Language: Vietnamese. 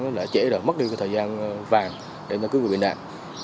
nó đã trễ rồi mất đi thời gian vàng để chúng ta cứu người bị nạn